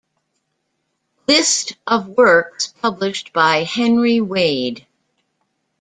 List of works published by "Henry Wade".